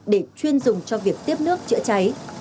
để chuyên dùng cho việc tiếp nước trợ cháy